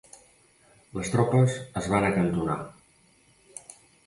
Les tropes es van acantonar.